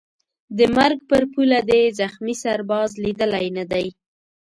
د مرګ پر پوله دي زخمي سرباز لیدلی نه دی